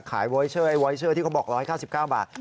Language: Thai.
วอยเชอร์ไอ้วอยเชอร์ที่เขาบอก๑๙๙บาท